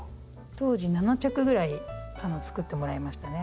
当時７着ぐらい作ってもらいましたね。